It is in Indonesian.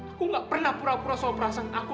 aku gak pernah pura pura soal perasaan aku